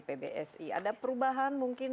pbsi ada perubahan mungkin